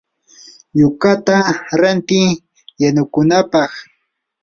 yukata ranti yanukunapaq.